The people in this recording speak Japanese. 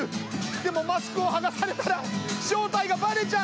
でもマスクを剥がされたら正体がバレちゃう！